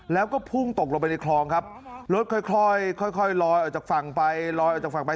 แล้วก็พุ่งตกลงไปในคลองครับรถค่อยค่อยลอยออกจากฝั่งไปลอยออกจากฝั่งไป